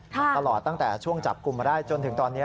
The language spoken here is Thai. ตลอดตั้งแต่ช่วงจับกลุ่มมาได้จนถึงตอนนี้